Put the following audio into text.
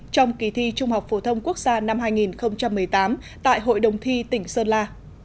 trong kỳ thi trung học phổ thông quốc gia năm hai nghìn một mươi tám tại hội đồng thi tỉnh sơn la